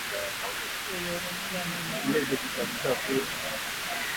Ukibonyeza eneo lililoathirika utahisi nafasi yenye hewa na kusikia sauti kama ya karatasi kavu